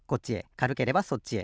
かるければそっちへ。